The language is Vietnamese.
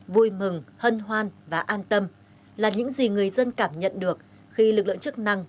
vui mừng hân hoan và an tâm là những gì người dân cảm nhận được khi lực lượng chức năng